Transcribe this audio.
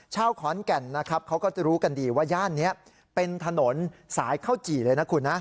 ชาวขอนแก่นนะครับเขาก็จะรู้กันดีว่าย่านนี้เป็นถนนสายข้าวจี่เลยนะคุณนะ